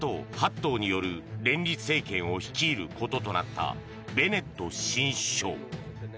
党による連立政権を率いることとなったベネット新首相。